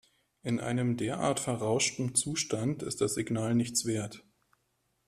In einem derart verrauschtem Zustand ist das Signal nichts wert.